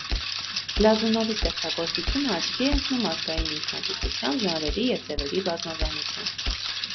Գլազունովի ստեղծագործությունը աչքի է ընկնում ազգային ինքնատիպությամբ, ժանրերի և ձևերի բազմազանությամբ։